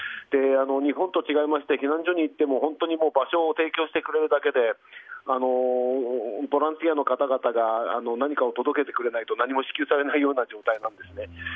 日本と違いまして避難所に行っても本当に場所を提供してくれるだけでボランティアの方々が何かを届けてくれないと何も支給されないような状態なんですね。